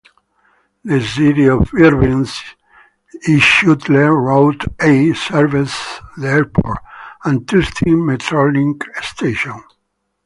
The City of Irvine's iShuttle route A serves the airport and Tustin Metrolink station.